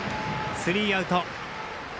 スリーアウト。